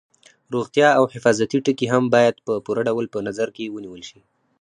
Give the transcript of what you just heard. روغتیا او حفاظتي ټکي هم باید په پوره ډول په نظر کې ونیول شي.